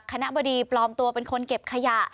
บดีปลอมตัวเป็นคนเก็บขยะ